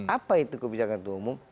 apa itu kebijakan ketua umum